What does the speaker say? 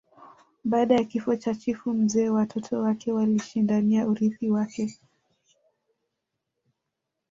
Baada ya kifo cha chifu mzee watoto wake walishindania urithi wake